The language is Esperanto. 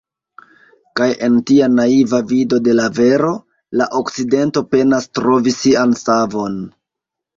Kaj en tia naiva vido de la vero, la Okcidento penas trovi sian savon.